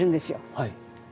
はい。